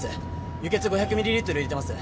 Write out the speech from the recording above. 輸血５００ミリリットル入れてます。